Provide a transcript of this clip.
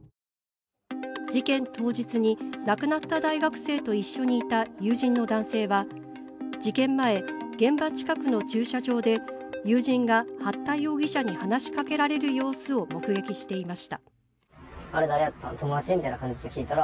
事件当日に亡くなった大学生と一緒にいた友人の男性は事件前、現場近くの駐車場で友人が八田容疑者に話しかけられる様子を目撃していました。